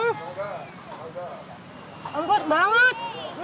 hmm empuk banget